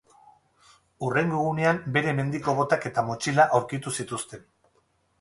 Hurrengo egunean bere mendiko botak eta motxila aurkitu zituzten.